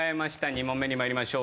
２問目にまいりましょう。